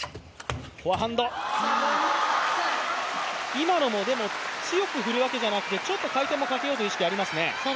今のも、強く振るわけじゃなくて、ちょっと回転もかけようという意識はありますね。